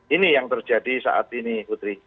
ini yang terjadi saat ini putri